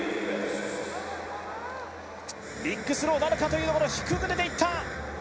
ビッグスローなるかという、低めで投げていった。